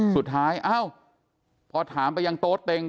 สุดท้ายอ้าวพอถามไปยังโต๊ธเต็ง